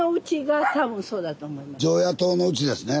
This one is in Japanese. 常夜燈のうちですね。